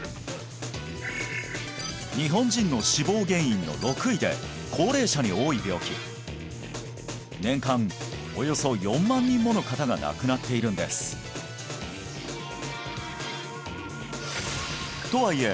日本人の死亡原因の６位で高齢者に多い病気年間およそ４万人もの方が亡くなっているんですとはいえ